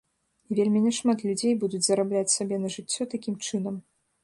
Вельмі няшмат людзей будуць зарабляць сабе на жыццё такім чынам.